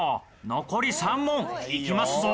残り３問いきますぞ！